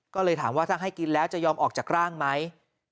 ก็เลยถามว่าถ้าให้กินแล้วจะยอมออกจากร่างไหม